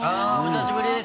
久しぶりです。